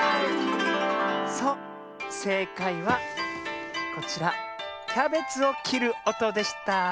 そうせいかいはこちらキャベツをきるおとでした。